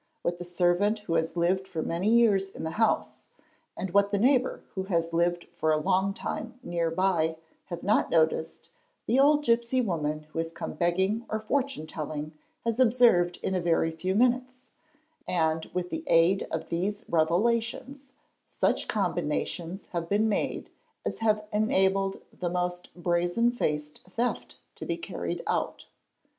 What the servant _ who has lived for many years in the house, and what the neighbour who has lived for a long time near by, have not noticed, the old gipsy woman who has come begging or fortune telling has observed in a very few minutes, and with the aid of these revelations such combinations have _ been made as have enabled the most brazen faced theft to be carried out.